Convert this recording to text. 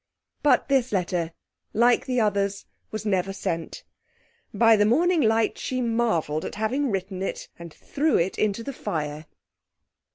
But this letter, like the others, was never sent. By the morning light she marvelled at having written it, and threw it into the fire.